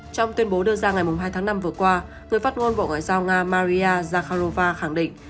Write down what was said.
trong tuyên bố đưa ra ngày hai tháng năm vừa qua người phát ngôn bộ ngoại giao nga maria zakharova khẳng định